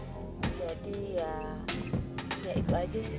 jadi ya itu aja sih yang gak sejalan mas